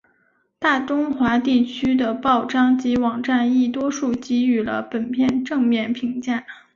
大中华地区的报章及网站亦多数给予了本片正面评价。